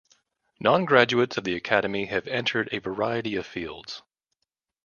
Non-graduates of the Academy have entered a variety of fields.